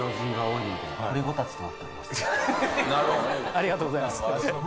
ありがとうございます。